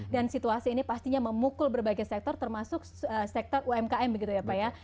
dan situasi ini pastinya memukul berbagai sektor termasuk sektor umkm gitu ya pak ya